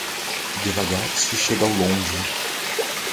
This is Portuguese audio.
Devagar se chega ao longe.